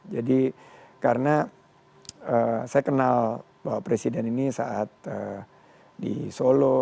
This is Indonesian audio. jadi karena saya kenal pak presiden ini saat di solo